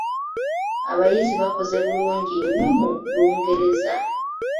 Abayizi baakoze bulungi nnyo mu Lungereza.